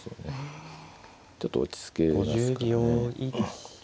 ちょっと落ち着けますからね。